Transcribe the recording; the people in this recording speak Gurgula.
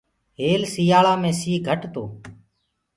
هيل سٚيآݪيآ مي سي گھٽ تو۔